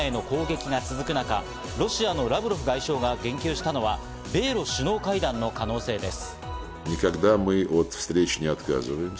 ロシア軍によるウクライナへの攻撃が続く中、ロシアのラブロフ外相が言及したのは米露首脳会談の可能性です。